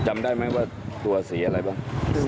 จำได้ไหมว่าตัวสีอะไรบ้าง